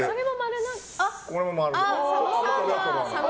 これも丸。